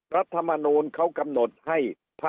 รัฐมนูลเขากำหนดให้